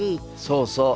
そうそう。